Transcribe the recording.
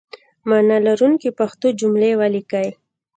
معنی لرونکي پښتو جملې ولیکئ!